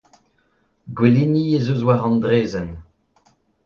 Gouelini ez eus war an draezhenn.